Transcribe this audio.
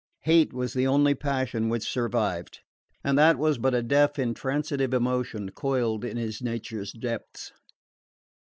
Hate was the only passion which survived, and that was but a deaf intransitive emotion coiled in his nature's depths.